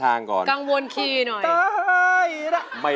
ว่าจะให้